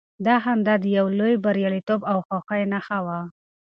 دا خندا د يو لوی برياليتوب او خوښۍ نښه وه.